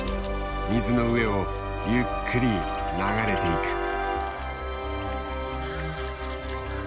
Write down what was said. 水の上をゆっくり流れていく。